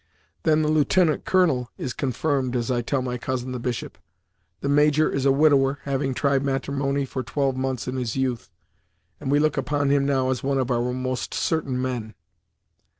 Then the Lieutenant Colonel is confirmed, as I tell my cousin the bishop. The Major is a widower, having tried matrimony for twelve months in his youth, and we look upon him, now, as one of our most certain men.